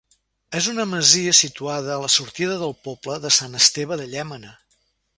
És una masia situada a la sortida del poble de Sant Esteve de Llémena.